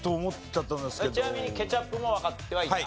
ちなみにケチャップもわかってはいた？